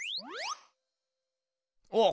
おっ！